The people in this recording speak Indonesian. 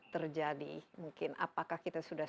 terjadi mungkin apakah kita sudah